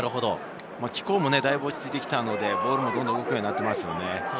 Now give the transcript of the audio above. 気候もだいぶ落ち着いてきたので、ボールもどんどん動くようになっていますね。